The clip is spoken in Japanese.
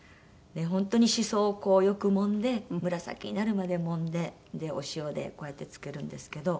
本当にしそをよくもんで紫になるまでもんでお塩でこうやって漬けるんですけど。